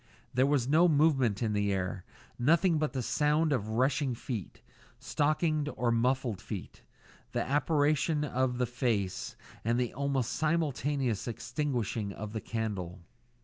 There was no movement of the air; nothing but the sound of rushing feet stockinged or muffled feet; the apparition of the face; and the almost simultaneous extinguishing of the candle.